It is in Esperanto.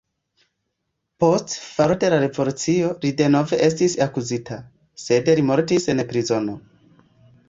Post falo de la revolucio li denove estis akuzita, sed li mortis en prizono.